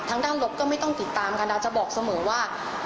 ด้านลบก็ไม่ต้องติดตามค่ะดาวจะบอกเสมอว่า